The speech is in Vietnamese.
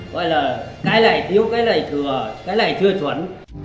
coi là cái này thiếu cái này thừa cái này chưa chuẩn